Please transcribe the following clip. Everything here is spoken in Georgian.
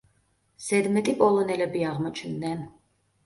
ზედმეტი პოლონელები აღმოჩდნენ.